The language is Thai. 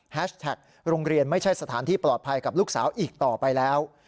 แท็กโรงเรียนไม่ใช่สถานที่ปลอดภัยกับลูกสาวอีกต่อไปแล้ว